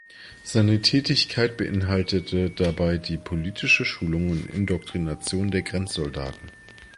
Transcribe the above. Seine Tätigkeit beinhaltete dabei die politische Schulung und Indoktrination der Grenzsoldaten.